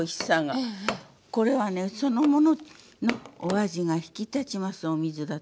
これはねそのもののお味が引き立ちますお水だと。